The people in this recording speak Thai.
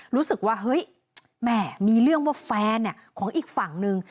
รู้สึกว่าเฮ้ยแม่มีเรื่องว่าแฟนของอีกฝั่งนึง